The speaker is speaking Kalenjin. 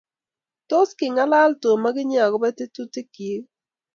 Tos kingalal tom akinye akopo tetutik chi